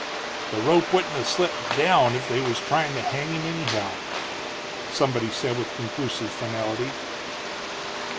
"The rope wouldn't 'a' slipped down, if they was tryin' to hang him, anyhow," somebody said with conclusive finality.